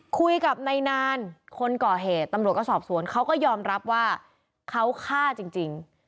คุยกับนายนานคนก่อเหตุตำรวจก็สอบสวนเขาก็ยอมรับว่าเขาฆ่าจริง